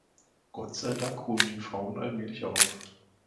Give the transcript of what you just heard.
Gott sei Dank holen die Frauen allmählich auf.